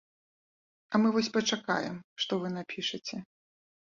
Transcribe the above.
А мы вось пачакаем, што вы напішаце.